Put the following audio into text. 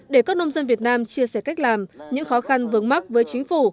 để các nông dân việt nam chia sẻ cách làm những khó khăn vướng mắt với chính phủ